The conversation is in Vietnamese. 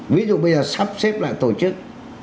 ví dụ bây giờ sắp xếp lại tổ chức